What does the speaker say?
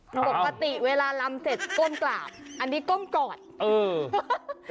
ปกติเวลาลำเสร็จก้มกราบอันนี้ก้มกอดเออ